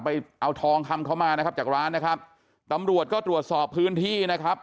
ไปเอาทองคำเขามานะครับจากร้านนะครับตำรวจก็ตรวจสอบพื้นที่นะครับ